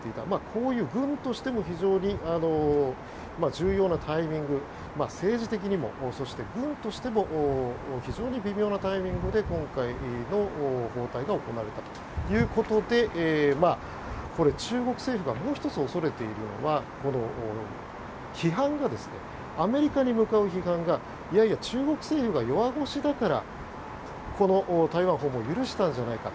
こうした、軍としても非常に重要なタイミング政治的にも、そして軍としても非常に微妙なタイミングで今回の訪台が行われたということでこれ、中国政府がもう１つ恐れているのはアメリカに向かう批判がいやいや、中国政府が弱腰だからこの台湾訪問を許したんじゃないか。